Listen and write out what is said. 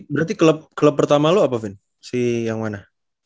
berarti klub pertama lu apa fin si yang mana